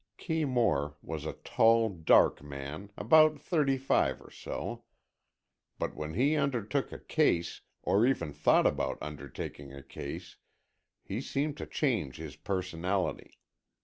Kee Moore was a tall, dark man, about thirty five or so. But when he undertook a case, or even thought about undertaking a case, he seemed to change his personality.